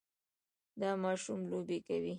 دا ماشوم لوبې کوي.